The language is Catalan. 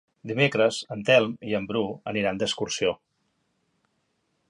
Dimecres en Telm i en Bru aniran d'excursió.